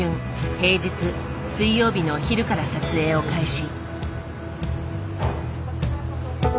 平日水曜日のお昼から撮影を開始。